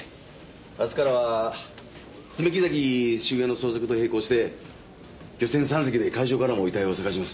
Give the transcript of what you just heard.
明日からは爪木崎周辺の捜索と並行して漁船３隻で海上からも遺体を捜します。